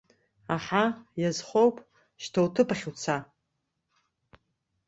Аҳы, иазхоуп, шьҭа уҭыԥахь уца!